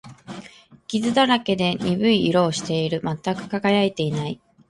傷だらけで、鈍い色をしている。全く輝いていない。